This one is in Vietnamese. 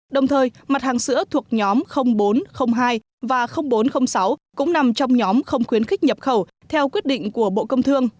đồng thời mặt hàng sữa thuộc nhóm bốn trăm linh hai và bốn trăm linh sáu cũng nằm trong nhóm không khuyến khích nhập khẩu theo quyết định của bộ công thương